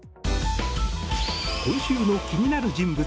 今週の気になる人物